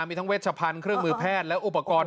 มีทั้งเวชพันธุ์เครื่องมือแพทย์และอุปกรณ์